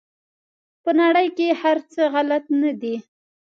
په نړۍ کې هر څه غلط نه دي.